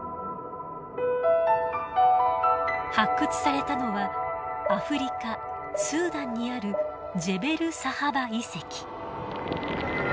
発掘されたのはアフリカスーダンにあるジェベルサハバ遺跡。